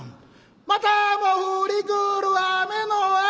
「またも降りくる雨の足」